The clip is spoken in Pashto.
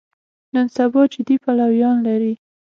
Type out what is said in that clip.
نن سبا جدي پلویان لري.